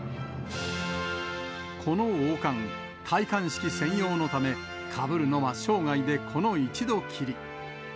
この王冠、戴冠式専用のため、かぶるのは生涯でこの一度きり。